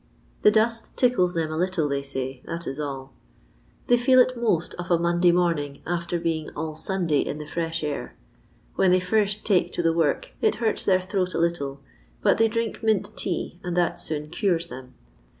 The dust tickles them a little, they say, that is all. They feel it most of a Monday morning, after being all Sunday in the fresh air. When they first take to the work it hurts their throats a little, but they drink mint tea, and that soon cures them.